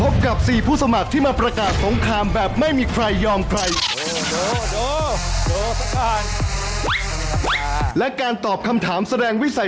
กลับมากันเลย